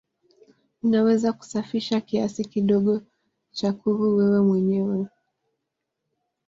Unaweza kusafisha kiasi kidogo cha kuvu wewe mwenyewe.